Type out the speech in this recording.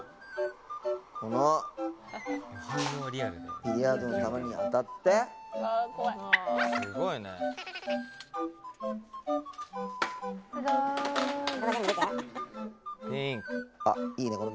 このビリヤードの球にあたってあっいいね